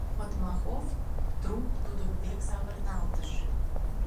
— Отмахов трук тудын век савырналтыш.